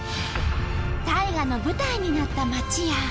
大河の舞台になった町や。